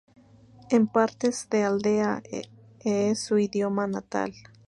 En partes de aldea, es su idioma natal.